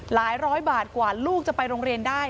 ร้อยบาทกว่าลูกจะไปโรงเรียนได้